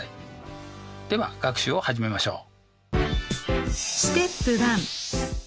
では学習を始めましょう。